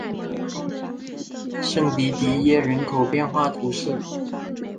圣迪迪耶人口变化图示